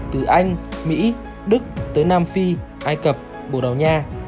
từ anh mỹ đức tới nam phi ai cập bồ đào nha